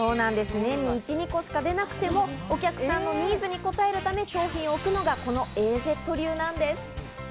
年に１２個しか出なくても、お客さんのニーズにこたえるため商品を置くのがこのＡ−Ｚ流なんです。